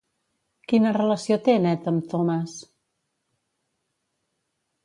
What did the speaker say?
Quina relació té Ned amb Thomas?